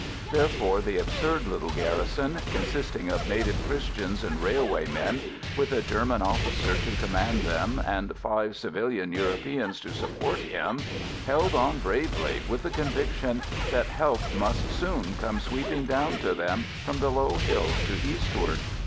Therefore the absurd little garrison, consisting of native Christians and railway men, with a German officer to command them and five civilian Europeans to support him, held on bravely with the conviction that help must soon come sweeping down to them from the low hills to eastward.